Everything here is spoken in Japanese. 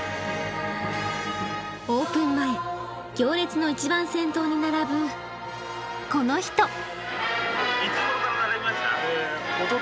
オープン前行列の一番先頭に並ぶこの人。